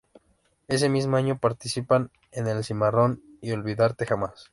Ese mismo año participa en "El cimarrón" y "Olvidarte jamás".